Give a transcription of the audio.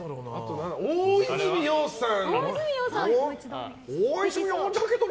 大泉洋さん。